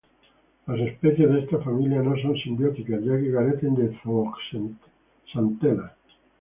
Las especies de esta familia no son simbióticas, ya que carecen de zooxantelas.